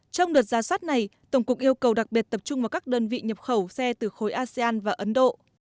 trong đợt ra soát này tổng cục yêu cầu đặc biệt tập trung vào các đơn vị nhập khẩu xe từ khối asean và ấn độ